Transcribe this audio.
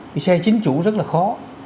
cái xe chính chủ rất là khó